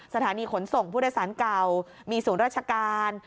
สถานีขนส่งผู้โดยสารเก่ามีศูนย์ราชการ